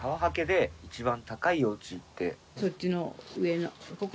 そっちの上のここ。